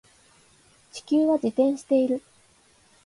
地球は自転している